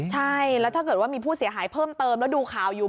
ใช่แล้วถ้าเกิดว่ามีผู้เสียหายเพิ่มเติมแล้วดูข่าวอยู่